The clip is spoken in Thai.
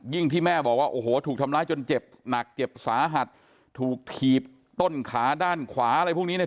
ที่แม่บอกว่าโอ้โหถูกทำร้ายจนเจ็บหนักเจ็บสาหัสถูกถีบต้นขาด้านขวาอะไรพวกนี้เนี่ย